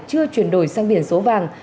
chưa chuyển đổi sang biển số vàng